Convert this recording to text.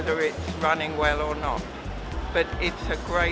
tapi kalau kesini saya sekitar dua jam